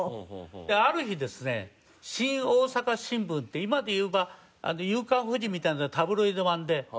ある日ですね『新大阪』新聞っていう今で言えば『夕刊フジ』みたいなタブロイド版で。